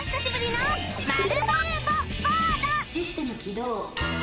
「システム起動」